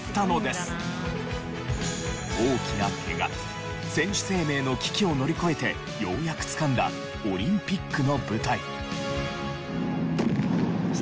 大きなケガ選手生命の危機を乗り越えてようやくつかんだオリンピックの舞台。